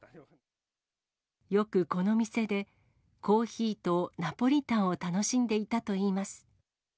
よくこの店でコーヒーとナポリタンを楽しんでいたといいます。